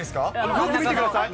よく見てください。